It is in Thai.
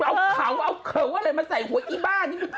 เอาเขาเอาเขาอะไรมาใส่หัวอีบ้านี่